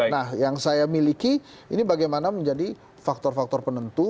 nah yang saya miliki ini bagaimana menjadi faktor faktor penentu